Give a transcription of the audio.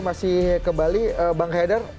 masih kembali bang haider